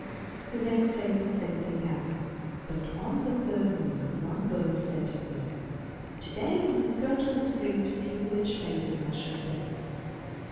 The next day the same thing happened, but on the third morning one bird said to the other, 'To day we must go to the spring to see the Witch maiden wash her face.